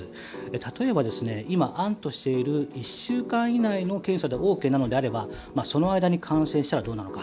例えば今、案としてある１週間以内の検査でＯＫなのであればその間に感染したらどうなのか。